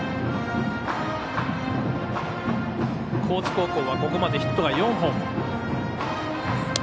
高知高校はここまでヒットが４本。